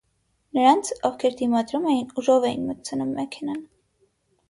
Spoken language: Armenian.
Նրանց, ովքեր դիմադրում էին, ուժով էին մտցնում մեքենան։